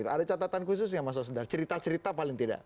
ada catatan khusus nggak mas osdar cerita cerita paling tidak